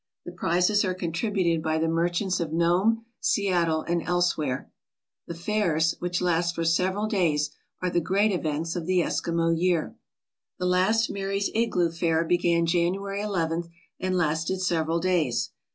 The prizes are contributed by the merchants of Nome, Seattle, and else where. The fairs, which last for several days, are the great events of the Eskimo year." 211 ALASKA OUR NORTHERN WONDERLAND The last Mary's Igloo fair began January nth and lasted several days.